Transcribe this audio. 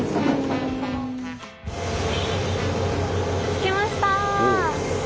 着きました！